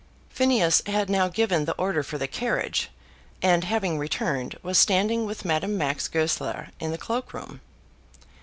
Phineas had now given the order for the carriage, and, having returned, was standing with Madame Max Goesler in the cloak room.